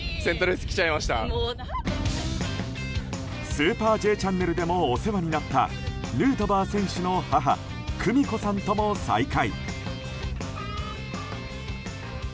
「スーパーＪチャンネル」でもお世話になったヌートバー選手の母・久美子さんとも再会。